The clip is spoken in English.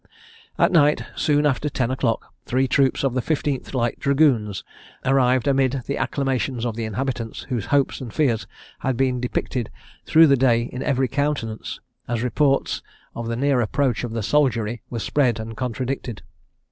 At night, soon after ten o'clock, three troops of the 15th Light Dragoons arrived amid the acclamations of the inhabitants, whose hopes and fears had been depicted through the day in every countenance, as reports of the near approach of the soldiery were spread and contradicted.